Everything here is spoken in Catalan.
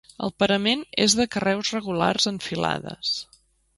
El parament és de carreus regulars en filades.